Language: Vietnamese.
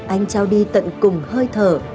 anh trao đi tận cùng hơi thở